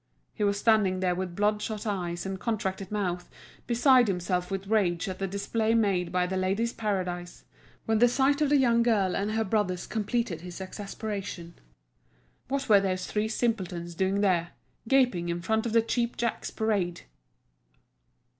He was standing there with bloodshot eyes and contracted mouth, beside himself with rage at the display made by The Ladies' Paradise, when the sight of the young girl and her brothers completed his exasperation. What were those three simpletons doing there, gaping in front of the cheap jack's parade?